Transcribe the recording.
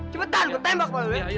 cepetan gue tembak